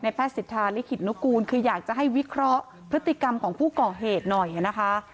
แพทย์สิทธาลิขิตนุกูลคืออยากจะให้วิเคราะห์พฤติกรรมของผู้ก่อเหตุหน่อยนะคะ